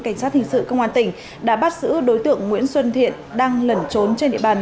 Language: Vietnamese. cảnh sát hình sự công an tỉnh đã bắt giữ đối tượng nguyễn xuân thiện đang lẩn trốn trên địa bàn